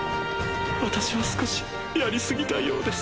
私は少しやり過ぎたようです